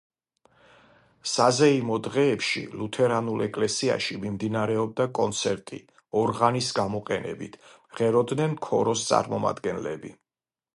საზეიმო დღეებში ლუთერანულ ეკლესიაში მიმდინარეობდა კონცერტი ორღანის გამოყენებით, მღეროდნენ ქოროს წარმომადგენლები.